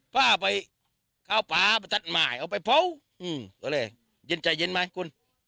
ป้าไปเข้าป่าไปตัดหมายเอาไปเผาก็เลยเย็นใจเย็นไหมคุณ